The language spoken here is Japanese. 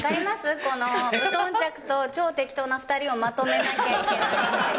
この、無頓着と超テキトーな２人をまとめなきゃいけない。